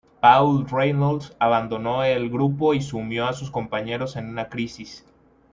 Paul Reynolds abandonó el grupo y sumió a sus compañeros en una crisis.